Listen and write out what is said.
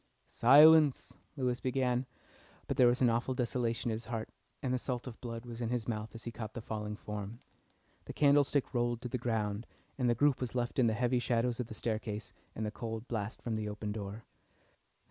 "Silence," Lewis began, but there was an awful desolation at his heart and the salt of blood was in his mouth as he caught the falling form. The candlestick rolled to the ground, and the group was left in the heavy shadows of the staircase and the cold blast from the open door.